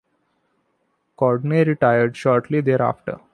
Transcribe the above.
Condrey retired shortly thereafter.